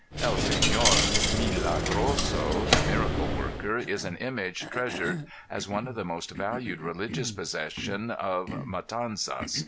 "El Se├▒or Milagroso" the miracle worker, is an image treasured as one of the most valued religious possession of Matanzas.